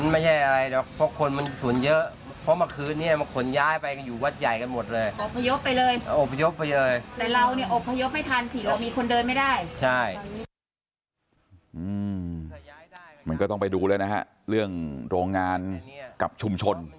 มันก็ต้องไปดูเลยนะฮะเรื่องโรงงานกับชุมชน